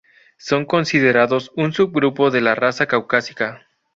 Son considerados un subgrupo de la raza caucásica.